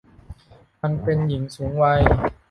มันเป็นหญิงสูงวัย